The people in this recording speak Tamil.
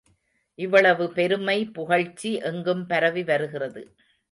இவ்வளவு பெருமை, புகழ்ச்சி எங்கும் பரவி வருகிறது.